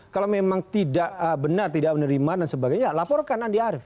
kalau memang tidak benar tidak menerima dan sebagainya laporkan andi arief